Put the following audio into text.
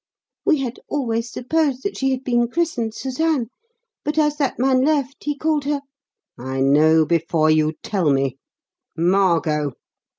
We had always supposed that she had been christened 'Suzanne,' but as that man left he called her " "I know before you tell me 'Margot'!"